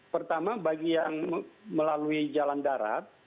pertama bagi yang melalui jalan darat